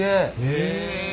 へえ！